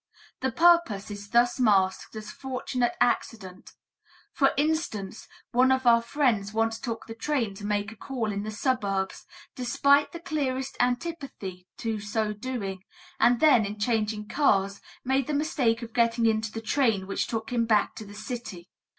The purpose is thus masked as fortunate accident; for instance, one of our friends once took the train to make a call in the suburbs, despite the clearest antipathy to so doing, and then, in changing cars, made the mistake of getting into the train which took him back to the city.